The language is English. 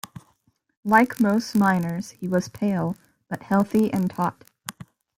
Like most miners, he was pale, but healthy and taut.